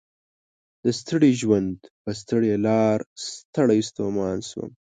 د ستړي ژوند په ستړي لار ستړی ستومان شوم